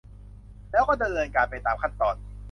แล้วก็ดำเนินการไปตามขั้นตอน